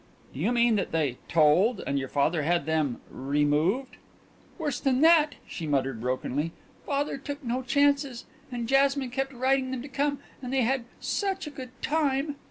"Do you mean that they told, and your father had them removed?" "Worse than that," she muttered brokenly. "Father took no chances and Jasmine kept writing them to come, and they had such a good time!"